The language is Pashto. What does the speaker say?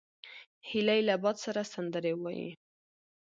هیلۍ له باد سره سندرې وايي